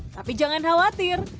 tapi jangan khawatir